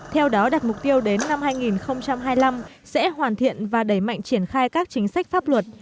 theo đó đặt mục tiêu đến năm hai nghìn hai mươi năm sẽ hoàn thiện và đẩy mạnh triển khai các chính sách pháp luật